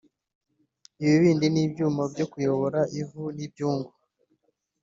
ibibindi n’ibyuma byo kuyora ivu n’ibyungu